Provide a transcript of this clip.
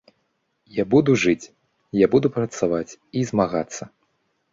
Я буду жыць, я буду працаваць і змагацца!